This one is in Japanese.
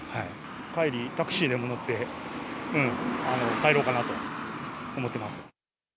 帰り、タクシーでも乗って帰ろうかなと思ってます。